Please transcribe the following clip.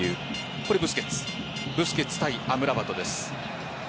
ブスケツ対アムラバトです。